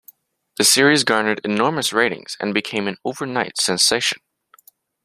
The series garnered enormous ratings and became an overnight sensation.